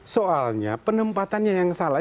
soalnya penempatannya yang salah